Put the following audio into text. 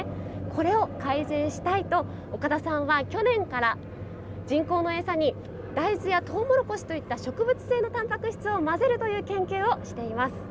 これを改善したいと岡田さんは去年から人工の餌に大豆やトウモロコシといった植物性のたんぱく質を混ぜるという研究をしています。